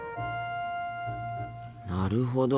なるほど。